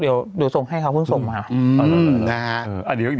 เดี๋ยวดูส่งให้เขาเพิ่งส่งมา